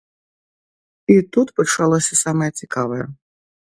І тут пачалося самае цікавае.